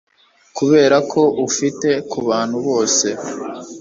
Kuberako ufite kubantu bose